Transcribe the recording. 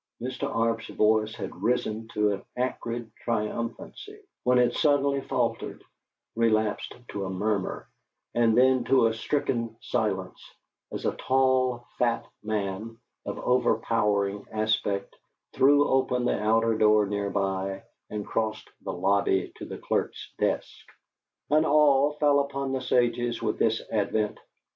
Mr. Arp's voice had risen to an acrid triumphancy, when it suddenly faltered, relapsed to a murmur, and then to a stricken silence, as a tall, fat man of overpowering aspect threw open the outer door near by and crossed the lobby to the clerk's desk. An awe fell upon the sages with this advent.